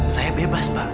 saya bebas pak